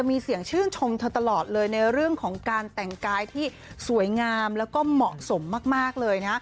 มีเสียงชื่นชมเธอตลอดเลยในเรื่องของการแต่งกายที่สวยงามแล้วก็เหมาะสมมากเลยนะ